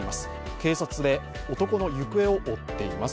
警察で男の行方を追っています。